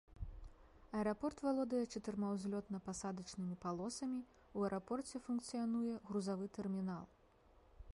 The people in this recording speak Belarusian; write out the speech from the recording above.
Аэрапорт валодае чатырма узлётна-пасадачнымі палосамі, у аэрапорце функцыянуе грузавы тэрмінал.